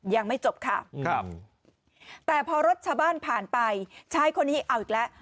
ยังไม่จบค่ะครับแต่พอรถชาวบ้านผ่านไปชายคนนี้เอาอีกแล้ว